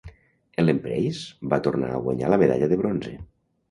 Ellen Preis va tornar a guanyar la medalla de bronze.